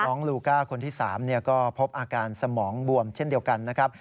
ส่วนน้องลูก้าคนที่สามเนี่ยก็พบอาการสมองบวมเช่นเดียวกันนะครับ